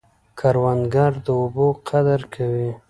کروندګر د اوبو قدر کوي